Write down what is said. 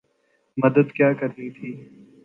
مدد کیا کرنی تھی۔